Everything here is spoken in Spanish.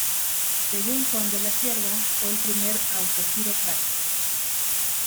Según Juan de la Cierva, fue el primer autogiro práctico.